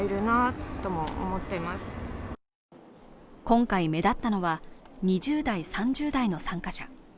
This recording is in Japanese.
今回目立ったのは、２０代、３０代の参加者。